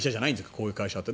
こういう会社って。